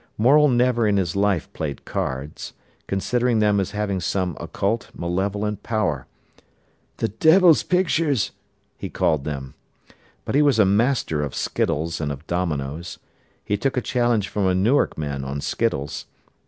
Morel never in his life played cards, considering them as having some occult, malevolent power—"the devil's pictures," he called them! But he was a master of skittles and of dominoes. He took a challenge from a Newark man, on skittles.